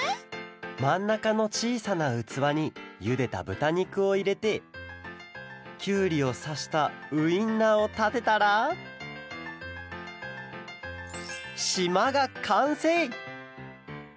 まんなかのちいさなうつわにゆでたぶたにくをいれてきゅうりをさしたウインナーをたてたらしまがかんせい！